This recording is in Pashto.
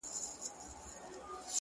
د سترگو هره ائينه کي مي ستا نوم ليکلی.